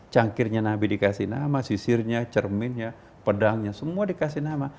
cangkirnya nabi dikasih nama sisirnya cerminnya pedangnya semua dikasih nama